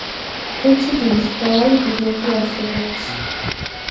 რეციდივის მრავალი მიზეზი არსებობს.